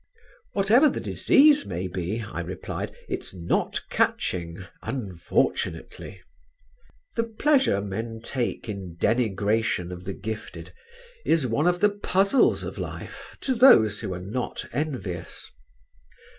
"Whatever the disease may be," I replied, "it's not catching unfortunately." The pleasure men take in denigration of the gifted is one of the puzzles of life to those who are not envious.